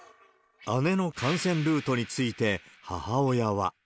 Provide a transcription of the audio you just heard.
姉の感染ルートについて、母親は。